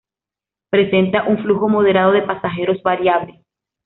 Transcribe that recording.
Presenta un flujo moderado de pasajeros variable.